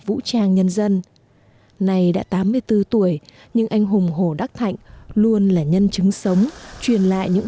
vũ trang nhân dân này đã tám mươi bốn tuổi nhưng anh hùng hồ đắc thạnh luôn là nhân chứng sống truyền lại những